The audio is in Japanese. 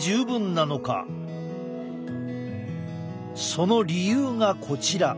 その理由がこちら。